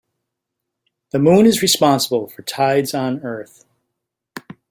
The moon is responsible for tides on earth.